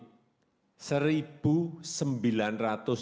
tapi ini seribu